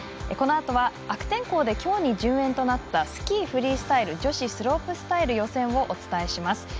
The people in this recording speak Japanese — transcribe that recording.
このあとは悪天候できょうに順延となったスキー・フリースタイル女子スロープスタイル予選をお伝えします。